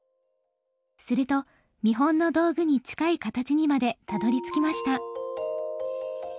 すると見本の道具に近い形にまでたどりつきました。